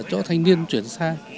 chỗ thanh niên chuyển sang